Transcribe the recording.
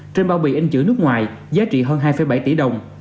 trên bao bì in chữ nước ngoài giá trị hơn hai bảy tỷ đồng